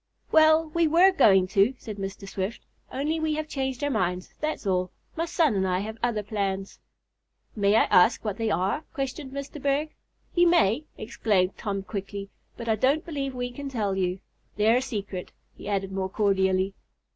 "Well, we were going to," said Mr. Swift, "only we have changed our minds, that's all. My son and I have other plans." "May I ask what they are?" questioned Mr. Berg. "You may," exclaimed Tom quickly; "but I don't believe we can tell you. They're a secret," he added more cordially.